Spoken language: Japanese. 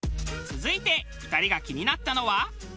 続いて２人が気になったのは。